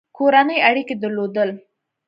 کورني اړیکي درلودل.